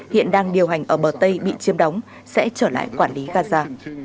hiện đang điều hành ở bờ tây bị chiếm đóng sẽ trở lại quản lý gaza